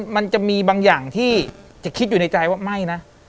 มันจะมีบางอย่างที่จะคิดอยู่ในใจว่าไม่นะ